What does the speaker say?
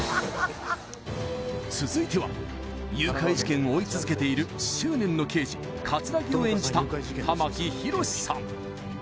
続いては誘拐事件を追い続けている執念の刑事葛城を演じた玉木宏さん